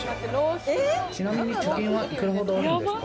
ちなみに貯金はいくらほどあるんですか？